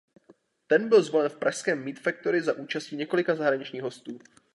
Ten byl zvolen v pražském Meet Factory za účasti několika zahraničních hostů.